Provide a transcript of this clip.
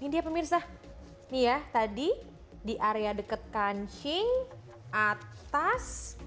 ini dia pemirsa nih ya tadi di area dekat kancing atas